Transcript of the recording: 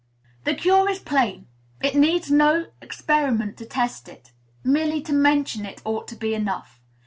The cure is plain. It needs no experiment to test it. Merely to mention it ought to be enough.